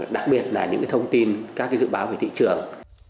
đặc biệt là những cái thông tin các cái dự báo về thị trường